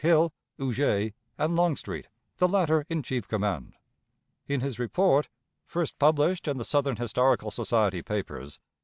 Hill, Huger, and Longstreet, the latter in chief command. In his report, first published in the "Southern Historical Society Papers," vol.